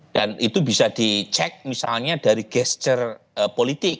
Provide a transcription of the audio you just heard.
dan itu bisa dicek misalnya dari gesture politik